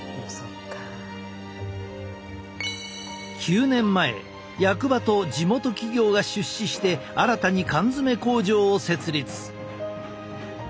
９年前役場と地元企業が出資して新たに缶詰工場を設立。